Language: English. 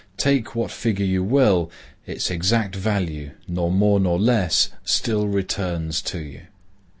Take what figure you will, its exact value, nor more nor less, still returns to you.